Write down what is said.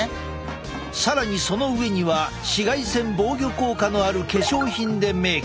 更にその上には紫外線防御効果のある化粧品でメーク。